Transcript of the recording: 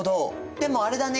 でもあれだね